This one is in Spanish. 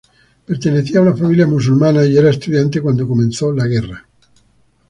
Pertenecía a una familia musulmana y era estudiante cuando comenzó la guerra.